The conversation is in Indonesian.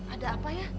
ada apa ya